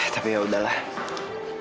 tapi ya udahlah